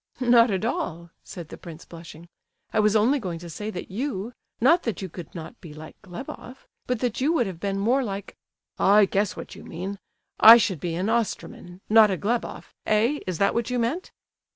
"Not at all!" said the prince, blushing. "I was only going to say that you—not that you could not be like Gleboff—but that you would have been more like—" "I guess what you mean—I should be an Osterman, not a Gleboff—eh? Is that what you meant?"